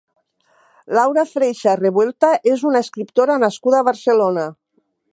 Laura Freixas Revuelta és una escriptora nascuda a Barcelona.